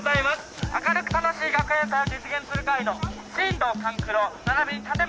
明るく楽しい学園祭を実現する会の進藤勘九郎ならびに立松憲男